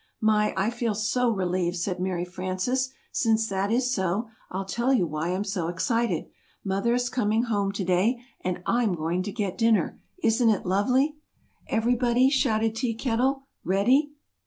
"My, I feel so relieved!" said Mary Frances. "Since that is so, I'll tell you why I'm so excited! Mother is coming home to day and I'm going to get dinner. Isn't it lovely?" "Everybody," shouted Tea Kettle, "ready!"